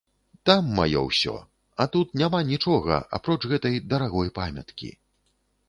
Там маё ўсё, а тут няма нічога, апроч гэтай дарагой памяткі.